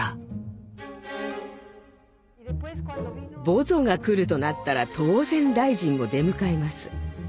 ボゾが来るとなったら当然大臣も出迎えます。